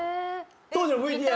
当時のＶＴＲ。